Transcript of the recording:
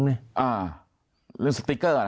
เรื่องสติ๊กเกอร์